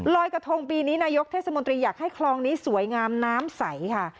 กระทงปีนี้นายกเทศมนตรีอยากให้คลองนี้สวยงามน้ำใสค่ะ